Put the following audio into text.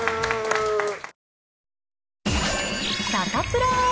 サタプラ。